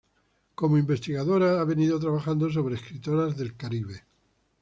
Como investigadora, ha venido trabajando sobre escritoras del Caribe.